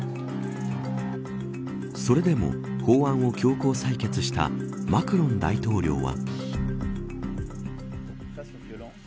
それでも、法案を強行採決したマクロン大統領は。